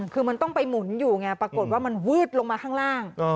คือมันต้องไปหมุนอยู่ไงปรากฏว่ามันวืดลงมาข้างล่าง